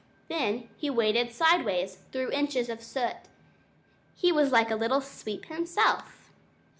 Then he waded sideways through inches of soot. He was like a little sweep himself.